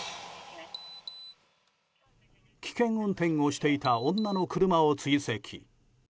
危険運転をしていた女の車を追跡。